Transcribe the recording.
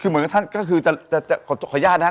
คือเหมือนกับท่านก็คือจะขออนุญาตนะครับ